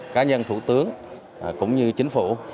cá nhân thủ tướng cũng như chính phủ